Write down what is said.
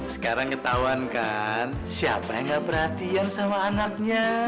sekarang ketahuan kan siapa yang gak perhatian sama anaknya